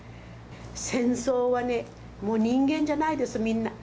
戦争はね、もう人間じゃないです、みんな。